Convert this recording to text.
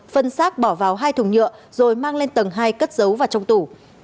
phân xác bỏ vào hai thùng nhựa rồi mang lên tầng hai cất giấu và trong tủ